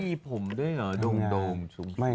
ไม่นะตัดผมมาก